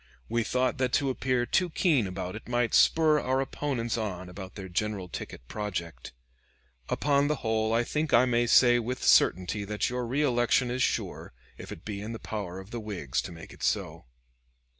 We thought that to appear too keen about it might spur our opponents on about their general ticket project. Upon the whole I think I may say with certainty that your reelection is sure, if it be in the power of the Whigs to make it so.